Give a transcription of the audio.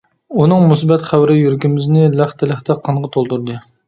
ئۇنىڭ مۇسىبەت خەۋىرى يۈرىكىمىزنى لەختە-لەختە قانغا تولدۇردى.